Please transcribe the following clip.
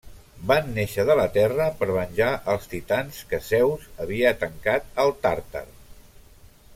Van néixer de la terra per venjar els Titans, que Zeus havia tancat al Tàrtar.